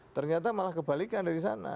ternyata malah kebalikan dari sana